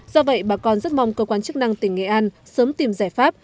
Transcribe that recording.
do vậy bà con rất mong cơ quan chức năng tỉnh nghệ an sớm tìm giải pháp